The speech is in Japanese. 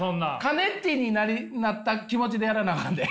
カネッティになった気持ちでやらなあかんで。